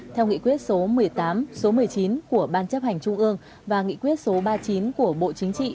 theo nghị quyết số một mươi tám số một mươi chín của ban chấp hành trung ương và nghị quyết số ba mươi chín của bộ chính trị